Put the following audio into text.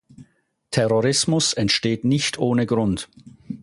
Terrorismus entsteht nicht ohne Grund.